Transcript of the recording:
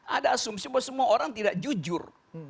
ada asumsi bahwa semua orang tidak jujur